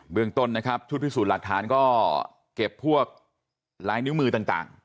เมืองต้นนะครับชุดพิสูจน์หลักฐานก็เก็บพวกลายนิ้วมือต่าง